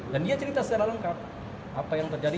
dan dia cerita secara lengkap apa yang terjadi